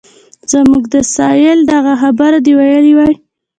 زموږ د سایل دغه خبره دې ویلې وای.